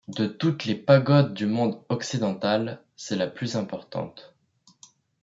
De toutes les pagodes du monde occidental, c'est la plus importante.